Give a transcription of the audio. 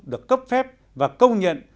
được cấp phép và công nhận